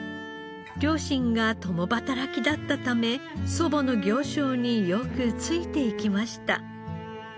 両親が共働きだったため祖母の行商によくついていきました。